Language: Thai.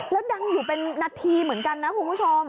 แล้วดังอยู่เป็นนาทีเหมือนกันนะคุณผู้ชม